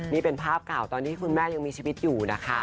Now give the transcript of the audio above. นี่เป็นภาพเก่าตอนที่คุณแม่ยังมีชีวิตอยู่นะคะ